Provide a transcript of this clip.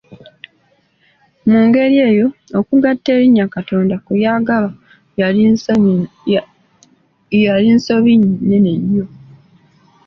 Mu mbeera eyo, okugatta erinnya “Katonda” ku “y’agaba” yali nsobi nnene nnyo.